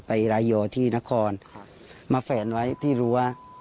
รายยอที่นครมาแฝนไว้ที่รั้ว